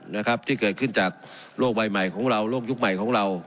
นะครับที่เกิดขึ้นจากโลกใบใหม่ของเราโลกยุคใหม่ของเรา